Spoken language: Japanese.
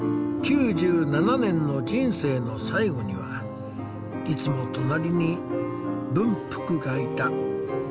９７年の人生の最期にはいつも隣に文福がいた。